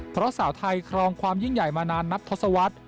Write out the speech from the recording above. เพราะสาวไทยครองความยิ่งใหญ่มานานนับทศวรรษ